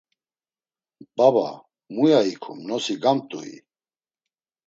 Baba, muya ikum, nosi gamt̆ui?